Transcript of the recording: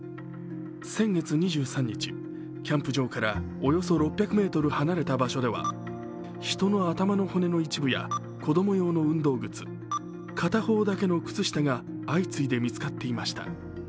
先月２３日、キャンプ場からおよそ６００ｍ離れた場所では人の頭の骨の一部や子供用の運動靴片方だけの靴下が相次いで見つかっていました。